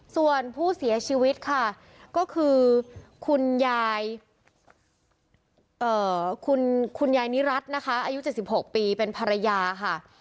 ส่วนผู้เสียชีวิตค่ะก็คือคุณยายคุณยายนิรัตินะคะอายุ๗๖ปีเป็นภรรยาค่ะ